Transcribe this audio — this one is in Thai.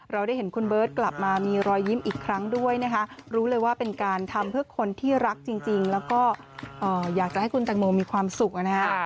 เราได้เห็นคุณเบิร์ตกลับมามีรอยยิ้มอีกครั้งด้วยนะคะรู้เลยว่าเป็นการทำเพื่อคนที่รักจริงแล้วก็อยากจะให้คุณแตงโมมีความสุขนะฮะ